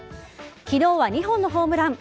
昨日は２本のホームラン。